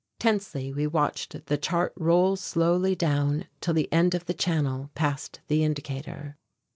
Tensely we watched the chart roll slowly down till the end of the channel passed the indicator.